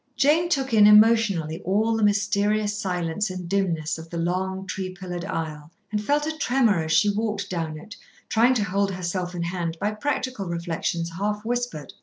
Jane took in emotionally all the mysterious silence and dimness of the long tree pillared aisle, and felt a tremor as she walked down it, trying to hold herself in hand by practical reflections half whispered.